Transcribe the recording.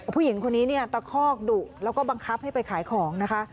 ผู้หญิงคนนี้เนี่ยตะคอกดุแล้วก็บังคับให้ไปขายของนะคะ